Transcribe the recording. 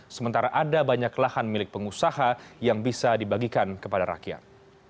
sementara ada banyak lahan milik pengusaha yang bisa dibagikan kepada rakyat